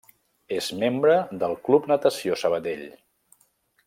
És membre del Club Natació Sabadell.